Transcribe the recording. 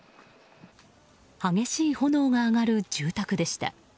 激しい炎が上がる住宅でした。